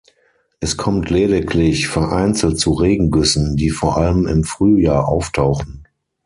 Es kommt lediglich vereinzelt zu Regengüssen, die vor allem im Frühjahr auftauchen.